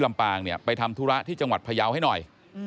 ลำปางเนี่ยไปทำธุระที่จังหวัดพยาวให้หน่อย